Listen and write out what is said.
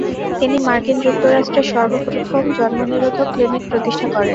তিনি মার্কিন যুক্তরাষ্ট্রে সর্ব প্রথম জন্ম নিরোধক ক্লিনিক প্রতিষ্ঠা করেন।